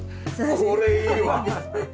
これいいわ！